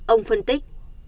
ông phân tích